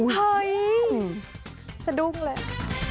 เฮ้ยสะดุ้งเลย